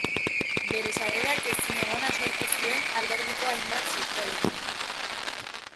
Bere sarrerak ezinegona sortu zuen alderdiko hainbat sektorerengan.